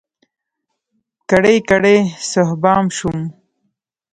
کړۍ، کړۍ صهبا شوم